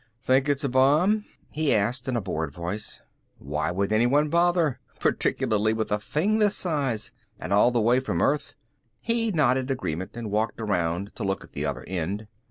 "Think it's a bomb?" he asked in a bored voice. "Why would anyone bother particularly with a thing this size? And all the way from earth." He nodded agreement and walked around to look at the other end.